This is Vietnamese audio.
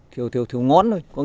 theo ngón thôi